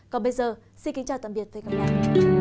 còn bây giờ xin kính chào tạm biệt với các bạn